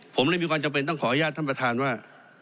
ผมเลยมีความจำเป็นต้องขออนุญาตท่านประธานว่า